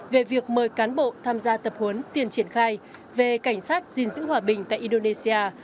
về việc mời cán bộ tham gia tập huấn tiền triển khai về cảnh sát gìn giữ hòa bình tại indonesia